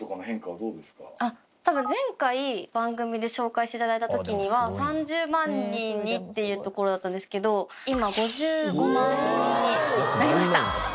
多分前回番組で紹介して頂いた時には３０万人にっていうところだったんですけど今５５万人になりました。